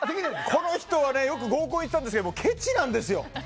この人はよく合コン行ったんですけどケチなんですよ。